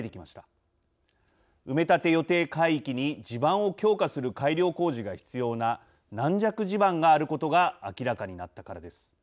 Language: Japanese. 埋め立て予定海域に地盤を強化する改良工事が必要な軟弱地盤があることが明らかになったからです。